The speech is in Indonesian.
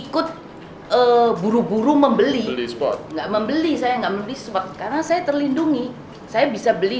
ikut buru buru membeli spot nggak membeli saya nggak bisa karena saya terlindungi saya bisa beli